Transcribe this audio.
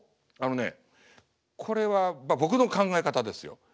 あのねこれは僕の考え方ですよ。